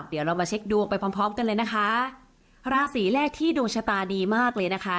เดี๋ยวเรามาเช็คดวงไปพร้อมพร้อมกันเลยนะคะราศีแรกที่ดวงชะตาดีมากเลยนะคะ